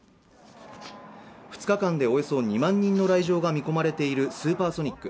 ２日間でおよそ２万人の来場が見込まれているＳＵＰＥＲＳＯＮＩＣ。